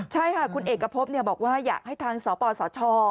ใช่ค่ะคุณเอกพบบอกว่าอยากให้ทางสปสช